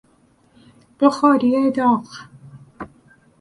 بخاری داغ